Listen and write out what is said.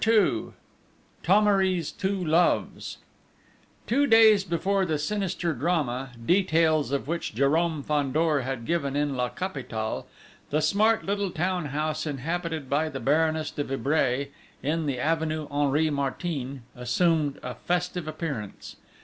II THOMERY'S TWO LOVES Two days before the sinister drama, details of which Jérôme Fandor had given in La Capitale, the smart little town house inhabited by the Baroness de Vibray, in the Avenue Henri Martin, assumed a festive appearance.